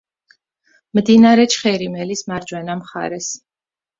მდინარე ჩხერიმელის მარჯვენა მხარეს.